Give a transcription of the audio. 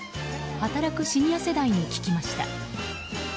働くシニア世代に聞きました。